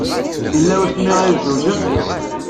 Yella wasmi ay tzewǧemt?